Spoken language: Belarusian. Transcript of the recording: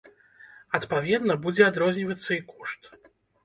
Адпаведна, будзе адрознівацца і кошт.